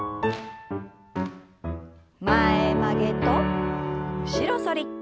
前曲げと後ろ反り。